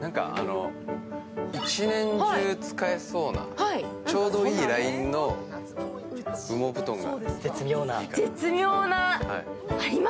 １年中使えそうな、ちょうどいいラインの羽毛布団が。